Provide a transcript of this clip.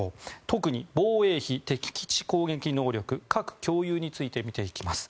特に防衛費、敵基地攻撃能力核共有について見ていきます。